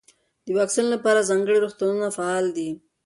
د واکسین لپاره ځانګړي روغتونونه فعال دي.